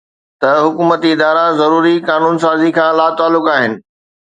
ته حڪومتي ادارا ضروري قانون سازي کان لاتعلق آهن